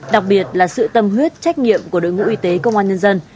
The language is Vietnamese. đặc biệt là sự tâm huyết trách nhiệm của đội ngũ y tế công an nhân dân